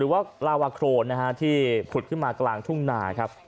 ว่าลาวาโครนที่ผุดขึ้นมากลางทุ่งนาครับ